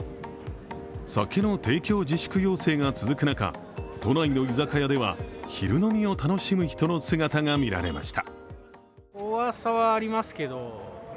酒の提供自粛要請が続く中、都内の居酒屋では昼飲みを楽しむ人の姿が見られました。